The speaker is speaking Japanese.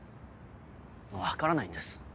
分からないんです。